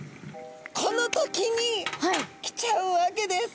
この時に来ちゃうわけです。